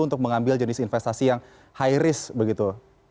untuk mengambil jenis investasi yang high risk begitu